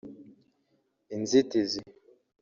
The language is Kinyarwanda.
inzitizi